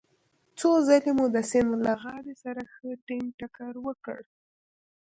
څو ځلې مو د سیند له غاړې سره ښه ټينګ ټکر وکړ.